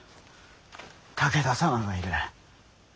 武田様がいる。